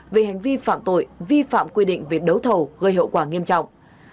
về hành vi phạm tội vi phạm quy định về đấu thầu gây hậu quả nghiêm trọng